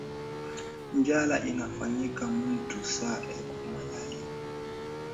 Njala inafanyaka muntu sa eko malali